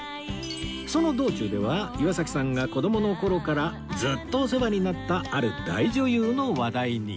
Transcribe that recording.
その道中では岩崎さんが子供の頃からずっとお世話になったある大女優の話題に